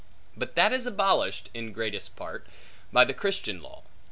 But that is abolished, in greatest part, by the Christian law.